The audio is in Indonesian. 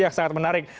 yang sangat menarik